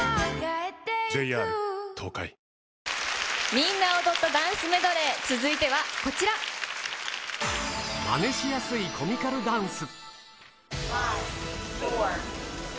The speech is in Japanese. みんな踊ったダンスメドレー、まねしやすいコミカルダンス。